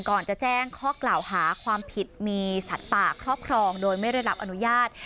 ก่อนจะแจ้งข้อกล่าวหาความผิดมีสัตว์ป่าครอบครองโดยไม่ได้รับอนุญาต